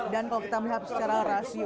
dan kalau kita melihat secara rasmi